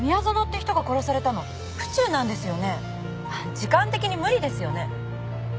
時間的に無理ですよね？